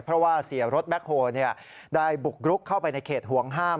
เพราะว่าเสียรถแบ็คโฮลได้บุกรุกเข้าไปในเขตห่วงห้าม